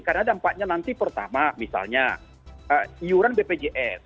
karena dampaknya nanti pertama misalnya yuran bpjs